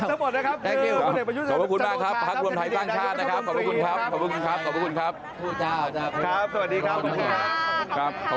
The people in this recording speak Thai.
เขาละพอแล้วพุธรรมสรุปนะครับคุณสมุทรครับเมื่อกว่า